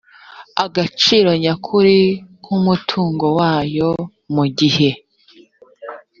agaciro nyakuri k umutungo wayo mu gihe